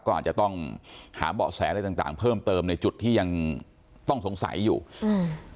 ก็อาจจะต้องหาเบาะแสอะไรต่างต่างเพิ่มเติมในจุดที่ยังต้องสงสัยอยู่อืม